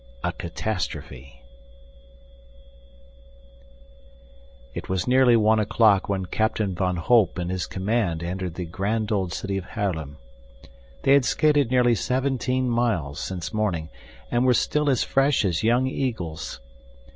A Catastrophe It was nearly one o'clock when Captain van Holp and his command entered the grand old city of Haarlem. They had skated nearly seventeen miles since morning and were still as fresh as young eagles.